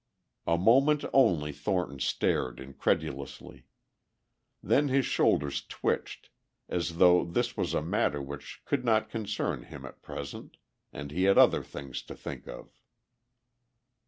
A moment only Thornton stared incredulously. Then his shoulders twitched as though this was a matter which could not concern him at present and he had other things to think of.